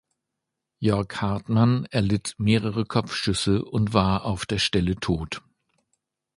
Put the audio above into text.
Jörg Hartmann erlitt mehrere Kopfschüsse und war auf der Stelle tot.